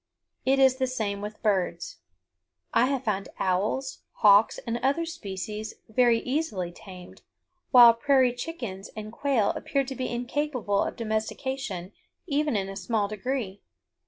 It is the same with birds. I have found owls, hawks, and other species very easily tamed, while prairie chickens and quail appear to be incapable of domestication even in a small degree.